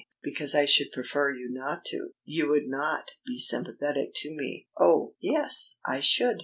"Because I should prefer you not to. You would not be sympathetic to me." "Oh, yes, I should."